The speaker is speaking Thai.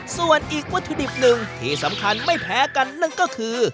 ส่วนอีกวัตถุดิบหนึ่งที่สำคัญไม่แพ้กันนั่นก็คือ